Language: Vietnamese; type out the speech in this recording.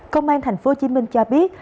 công an thành phố hồ chí minh cho biết